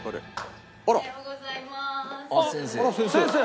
あら先生！